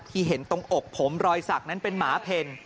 เห็นตรงอกผมรอยสักนั้นเป็นหมาเพ่น